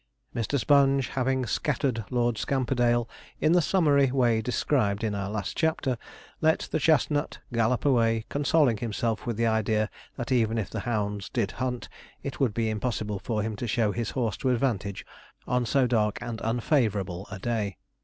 Mr. Sponge, having scattered Lord Scamperdale in the summary way described in our last chapter, let the chestnut gallop away, consoling himself with the idea that even if the hounds did hunt, it would be impossible for him to show his horse to advantage on so dark and unfavourable a day.